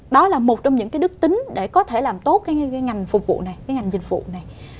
đó là một trong những cái đức tính để có thể làm tốt cái ngành phục vụ này cái ngành dịch vụ này